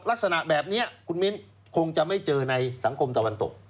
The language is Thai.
ลักษณะแบบนี้คุณมิ้นคงจะไม่เจอในสังคมตะวันตก